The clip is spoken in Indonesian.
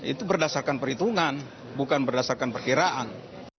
itu berdasarkan perhitungan bukan berdasarkan perkiraan